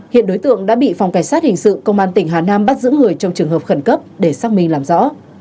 hiện đối tượng đã bị phòng cảnh sát hình sự công an tỉnh hà nam bắt giữ người trong trường hợp khẩn cấp để xác minh làm rõ